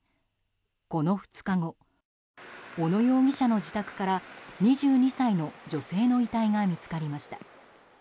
この２日後小野容疑者の自宅から２２歳の女性の遺体が見つかりました。